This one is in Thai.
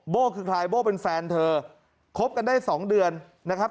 คือใครโบ้เป็นแฟนเธอคบกันได้สองเดือนนะครับ